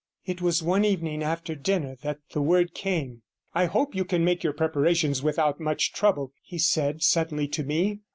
It was one evening after dinner that the word came. 'I hope you can make your preparations without much trouble,' he said suddenly to me.